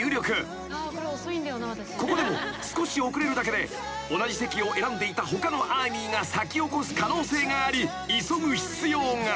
［ここでも少し遅れるだけで同じ席を選んでいた他のＡＲＭＹが先を越す可能性があり急ぐ必要が］